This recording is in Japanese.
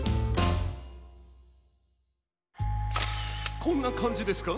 こんなかんじですか？